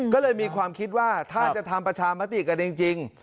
ก็เลยมีความคิดว่าถ้าจะทำประชามติกันจริง